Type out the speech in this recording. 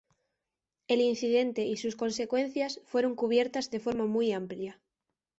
El incidente y sus consecuencias fueron cubiertas de forma muy amplia.